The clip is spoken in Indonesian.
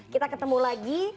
kita ketemu lagi